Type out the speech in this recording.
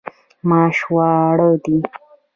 ماش واړه دي.